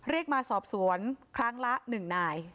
เรียกมาสอบสวนครั้งละ๑นาย